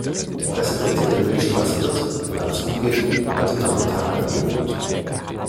Die Präsidentin der Milchstraße wird, wenn alles gut geht, heute Nachmittag angelobt.